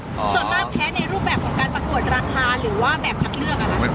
ส่วนมากแพ้ในรูปแบบของการประกวดราคาหรือว่าแบบคัดเลือก